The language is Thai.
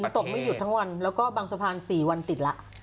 ผัวหินตกไม่หยุดทั้งวันแล้วก็บางสะพาน๔วันหยุดละ